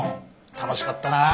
楽しかったなぁ